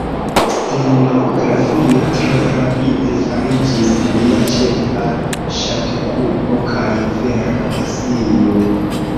Stenografio tre rapide fariĝis lia ĉefa ŝatokupo kaj vera pasio.